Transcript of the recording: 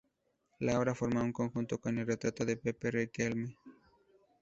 La obra forma un conjunto con el retrato de Pepe Riquelme.